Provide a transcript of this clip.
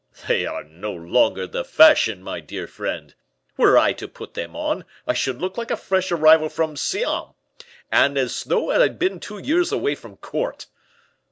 "They are no longer the fashion, my dear friend. Were I to put them on, I should look like a fresh arrival from Siam; and as though I had been two years away from court."